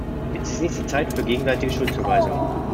Jetzt ist nicht die Zeit für gegenseitige Schuldzuweisungen.